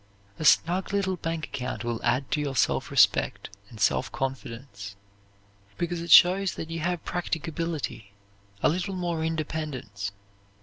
A snug little bank account will add to your self respect and self confidence, because it shows that you have practicability, a little more independence.